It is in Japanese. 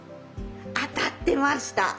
当たってました。